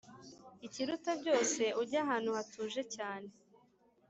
Ikiruta byose ujye ahantu hatuje cyane